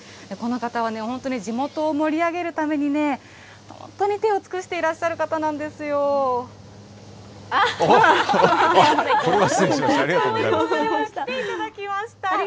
この方は本当に地元を盛り上げるために、本当に手を尽くしていらっしゃる方なんですよ。来ていただきました。